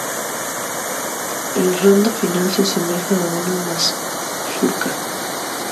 El rondó final se asemeja a una mazurca.